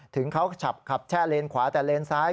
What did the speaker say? ถึงเขาขับแช่เลนขวาแต่เลนซ้าย